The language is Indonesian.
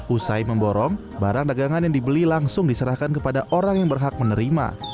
usai memborong barang dagangan yang dibeli langsung diserahkan kepada orang yang berhak menerima